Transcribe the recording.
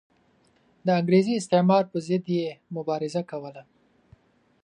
د انګریزي استعمار پر ضد یې مبارزه کوله.